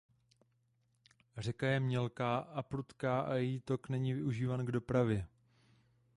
Řeka je mělká a prudká a její tok není využíván k dopravě.